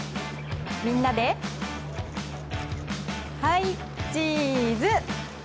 みんなでハイ、チーズ。